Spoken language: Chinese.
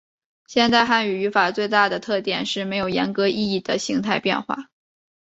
现代汉语语法最大的特点是没有严格意义的形态变化。